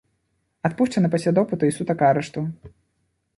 Адпушчаны пасля допыту і сутак арышту.